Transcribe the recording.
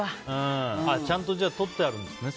ちゃんと取ってあるんですね